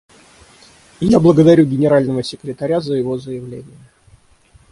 Я благодарю Генерального секретаря за его заявление.